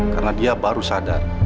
karena dia baru sadar